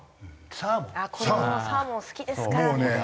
子どもサーモン好きですからね。